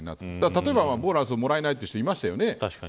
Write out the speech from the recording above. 例えばボーナスをもらえないという人もいましたよね。